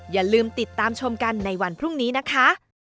อย่าลืมติดตามชมกันในวันพรุ่งนี้นะคะ